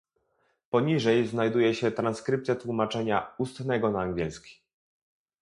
Poniżej znajduje się transkrypcja tłumaczenia ustnego na angielski